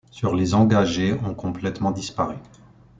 Sur les engagés, ont complètement disparu.